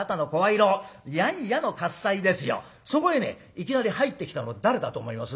いきなり入ってきたの誰だと思います？